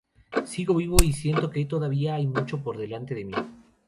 Sigo vivo y siento que todavía hay mucho por delante de mí.